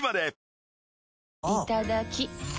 いただきっ！